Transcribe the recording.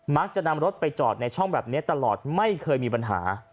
มักจะนำรถไปจอดในช่องแบบนี้ตลอดไม่เคยมีปัญหา